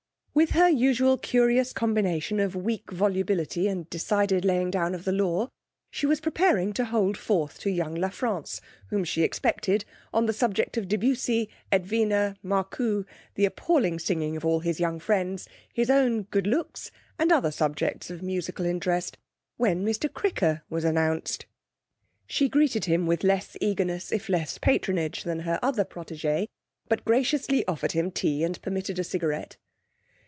With her usual curious combination of weak volubility and decided laying down of the law, she was preparing to hold forth to young La France (whom she expected), on the subject of Debussy, Edvina, Marcoux, the appalling singing of all his young friends, his own good looks, and other subjects of musical interest, when Mr Cricker was announced. She greeted him with less eagerness, if less patronage, than her other protégé, but graciously offered him tea and permitted a cigarette.